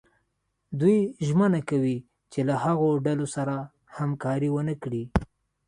دوی ژمنه کوي چې له هغو ډلو سره همکاري ونه کړي.